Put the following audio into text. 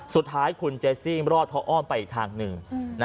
สุดท้ายคุณเจซี่รอดเพราะอ้อมไปอีกทางหนึ่ง